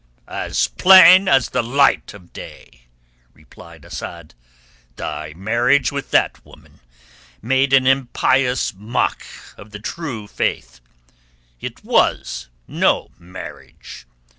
"As plain as the light of day," replied Asad. "Thy marriage with that woman made an impious mock of the True Faith. It was no marriage.